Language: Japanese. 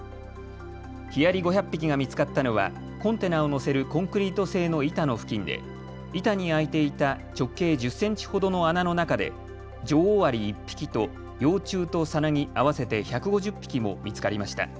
ヒアリ５００匹が見つかったのはコンテナを載せるコンクリート製の板の付近で板に開いていた直径１０センチほどの穴の中で女王アリ１匹と幼虫とさなぎ合わせて１５０匹も見つかりました。